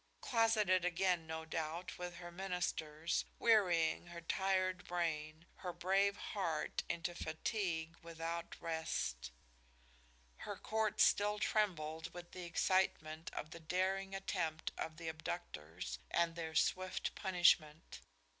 Closeted again, no doubt, with her ministers, wearying her tired brain, her brave heart into fatigue without rest. Her court still trembled with the excitement of the daring attempt of the abductors and their swift punishment.